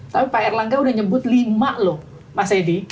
tapi pak erlangga udah nyebut lima loh mas edi